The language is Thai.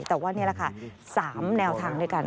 แต่ว่านี่แหละค่ะ๓แนวทางด้วยกัน